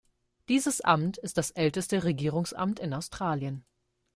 Dieses Amt ist das älteste Regierungsamt in Australien.